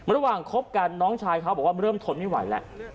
คบกันน้องชายเขาบอกว่าเริ่มทนไม่ไหวแล้ว